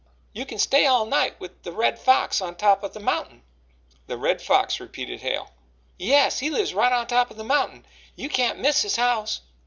"You can stay all night with the Red Fox on top of the mountain." "The Red Fox," repeated Hale. "Yes, he lives right on top of the mountain. You can't miss his house."